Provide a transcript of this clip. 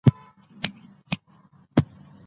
لوستې میندې ماشوم ته د ځان ساتنه ښيي.